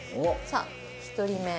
さあ１人目。